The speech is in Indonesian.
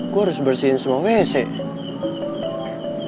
gue harus bersihin semua mesek